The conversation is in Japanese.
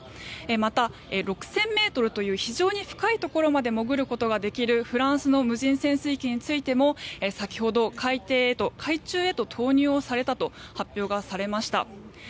また６０００ｍという非常に深いところまで潜ることとができるフランスの無人潜水機についても先ほど海中へと投入されたと発表がされました。